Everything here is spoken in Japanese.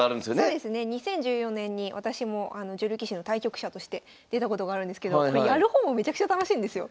そうですね２０１４年に私も女流棋士の対局者として出たことがあるんですけどこれやる方もめちゃくちゃ楽しいんですよ。